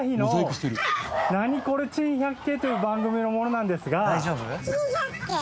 『ナニコレ珍百景』という番組の者なんですが。